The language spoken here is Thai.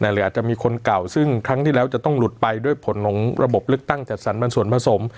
หรืออาจจะมีคนเก่าซึ่งครั้งที่แล้วจะต้องหลุดไปด้วยผลของระบบเลือกตั้งจัดสรรมันส่วนผสม